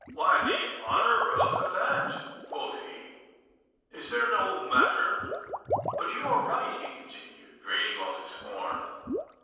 Why, the honour of Havant,' quoth he. 'Is that no matter? But you are right,' he continued, draining off his horn.